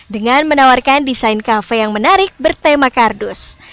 dengan menawarkan desain kafe yang menarik bertema kardus